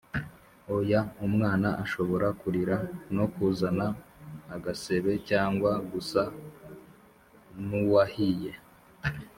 oya umwana ashobora kurira no kuzana agasebe cyangwa gusa n uwahiye